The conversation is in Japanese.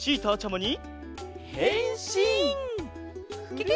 ケケ！